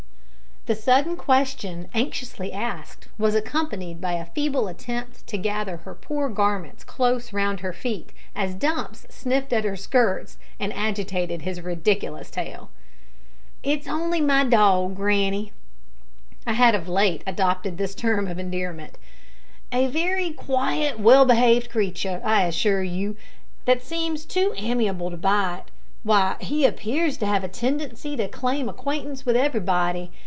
The sudden question, anxiously asked, was accompanied by a feeble attempt to gather her poor garments close round her feet as Dumps sniffed at her skirts and agitated his ridiculous tail. "It's only my dog, granny," I had of late adopted this term of endearment; "a very quiet well behaved creature, I assure you, that seems too amiable to bite. Why, he appears to have a tendency to claim acquaintance with everybody.